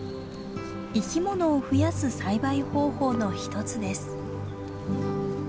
生き物を増やす栽培方法の一つです。